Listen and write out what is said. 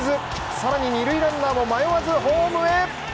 更に二塁ランナーも迷わずホームへ。